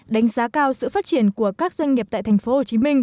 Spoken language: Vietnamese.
đánh giá cao sự phát triển của các doanh nghiệp tại tp hcm